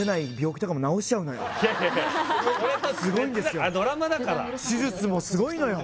ホント好きですごいんですよドラマだから手術もすごいのよ